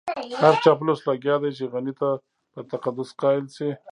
هر چاپلوس لګيا دی چې غني ته په تقدس قايل شي.